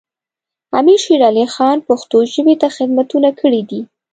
امیر شیر علی خان پښتو ژبې ته خدمتونه کړي دي.